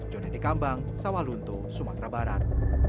jonny dekambang sawalunto sumatera barat